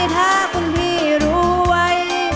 ถ้าคุณพี่รู้ไว้